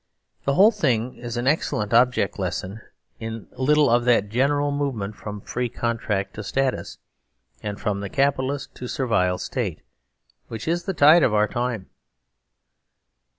The whole thingisanexcellentobjectlessonin little of that gene ral movement from free contract to status, and from the Capitalist to the Servile State, which is the tide of our time.